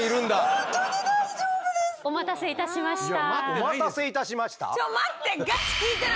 「お待たせいたしました」？